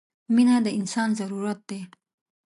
• مینه د انسان ضرورت دی.